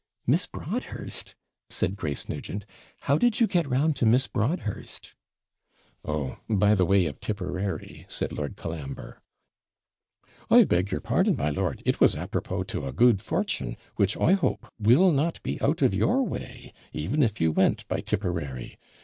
'Miss Broadhurst!' said Grace Nugent; 'how did you get round to Miss Broadhurst?' 'Oh! by the way of Tipperary,' said Lord Colambre. 'I beg your pardon, my lord, it was apropos to a good fortune, which, I hope, will not be out of your way, even if you went by Tipperary.